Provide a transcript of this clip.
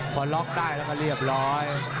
พอล็อกได้แล้วก็เรียบร้อย